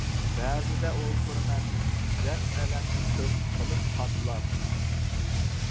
بەزىدە ئولتۇرىمەن دەرد ئەلەمنى كۆرپە قىلىپ قاتلاپ.